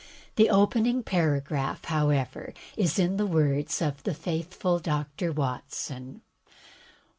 The opening para graph, however, is in the words of the faithful Dr. Watson.